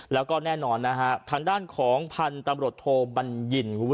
แล้วก็แน่นอนนะฮะฐันด้านของพันตรมรสโทอบบันยิณ